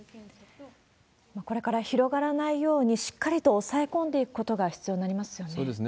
これから広がらないように、しっかりと抑え込んでいくことが必要になりますよね。